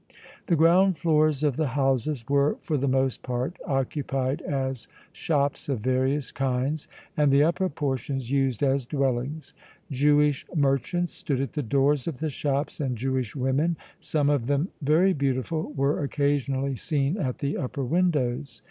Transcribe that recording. The ground floors of the houses were for the most part occupied as shops of various kinds and the upper portions used as dwellings. Jewish merchants stood at the doors of the shops and Jewish women, some of them very beautiful, were occasionally seen at the upper windows.